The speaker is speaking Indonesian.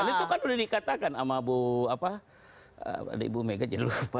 itu kan sudah dikatakan sama bu apa ada ibu mega jeluh